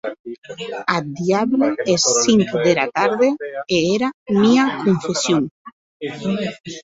Ath diable es cinc dera tarde e era mia confession!